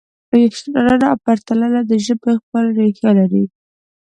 شننه او پرتلنه د ژبې خپل ریښه لري.